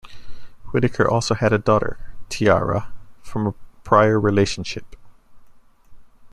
Whitaker also had a daughter, Tiara, from a prior relationship.